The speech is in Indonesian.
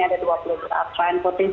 ada dua puluh delapan potensi